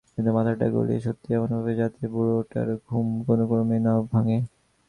কিন্তু মাথাটা গলিয়েছি সত্যিই এমনভাবে যাতে বুড়োলোকটার ঘুম কোনোক্রমেই না ভাঙে।